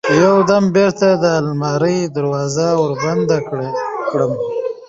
يو دم بېرته د المارى دروازه وربنده کړم.